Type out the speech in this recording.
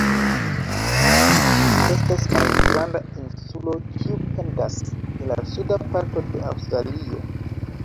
Ĝi estas malgranda insulo, kiu pendas de la suda parto de Aŭstralio.